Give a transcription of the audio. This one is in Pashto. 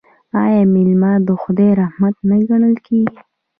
آیا میلمه د خدای رحمت نه ګڼل کیږي؟